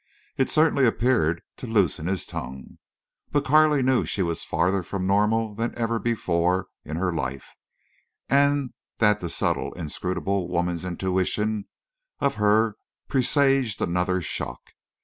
It certainly appeared to loosen his tongue. But Carley knew she was farther from normal than ever before in her life, and that the subtle, inscrutable woman's intuition of her presaged another shock.